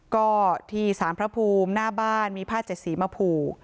ก็ที่สารพระภูมิหน้าบ้านมีผ้าเจ็ดสีมาผูก